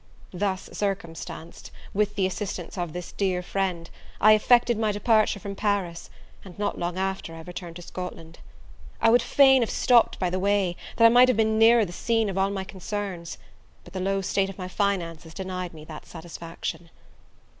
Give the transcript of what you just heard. Thus circumstanced, with the assistance of this dear friend, I effected my departure from Paris, and, not long after, I returned to Scotland. I would fain have stopped by the way, that I might have been nearer the scene of all my concerns; but the low state of my finances denied me that satisfaction.